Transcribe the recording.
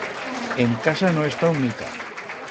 En casa no he estau mica.